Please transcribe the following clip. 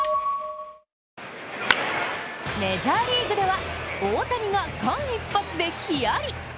メジャーリーグでは、大谷が間一髪でヒヤリ！